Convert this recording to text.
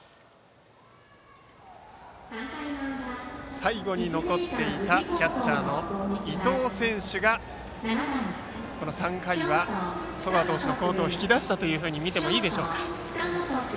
最後に残っていたキャッチャーの伊東選手が３回は、十川投手の好投を引き出したとみていいでしょうか。